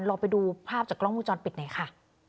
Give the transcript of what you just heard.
รอไปดูภาพจากกล้องมูลจรปิดไหนค่ะ